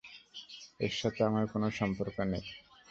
এর সাথে আমার কোনো সম্পর্ক নেই।